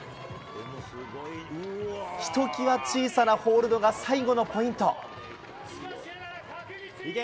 ひときわ小さなホールドが最後のポイント。